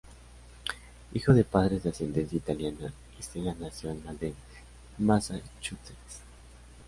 Hijo de padres de ascendencia italiana, Stella nació en Malden, Massachusetts.